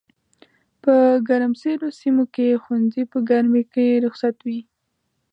په ګرمسېرو سيمو کښي ښوونځي په ګرمۍ کي رخصت وي